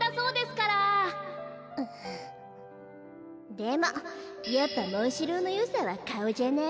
でもやっぱモンシローのよさはかおじゃない？